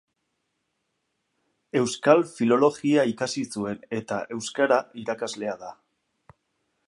Euskal Filologia ikasi zuen eta euskara irakaslea da.